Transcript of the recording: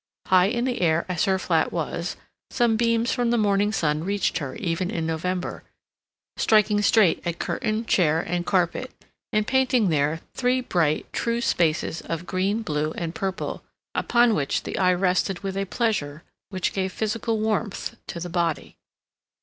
High in the air as her flat was, some beams from the morning sun reached her even in November, striking straight at curtain, chair, and carpet, and painting there three bright, true spaces of green, blue, and purple, upon which the eye rested with a pleasure which gave physical warmth to the body.